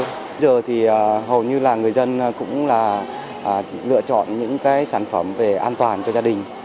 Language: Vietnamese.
bây giờ thì hầu như là người dân cũng là lựa chọn những cái sản phẩm về an toàn cho gia đình